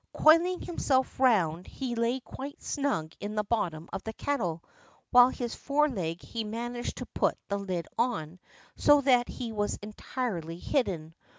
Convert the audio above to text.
Coiling himself round he lay quite snug in the bottom of the kettle, while with his foreleg he managed to put the lid on, so that he was entirely hidden.